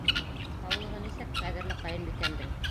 Һаулығы нисек ҡәҙерле ҡайынбикәмдең?